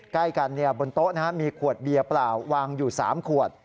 ใกล้กันบนโต๊ะมีขวดเบียร์เปล่าวางอยู่๓ขวด